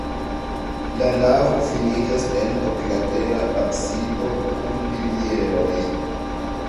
La navo finiĝas en oklatera absido kun pilieroj.